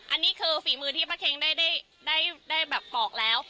อันนี้คือฝีมือที่ป้าเค็งได้แบบบอกแล้ว